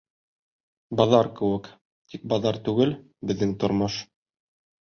Баҙар кеүек, тик баҙар түгел, беҙҙең тормош.